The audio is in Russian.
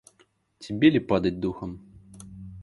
Тебе ли падать духом!